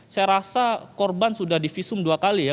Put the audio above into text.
saya rasa korban sudah di visum dua kali ya